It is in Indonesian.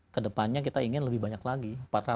kedepannya kita ingin lebih banyak lagi